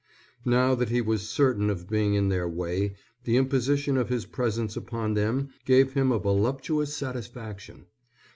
Now that he was certain of being in their way, the imposition of his presence upon them gave him a voluptuous satisfaction.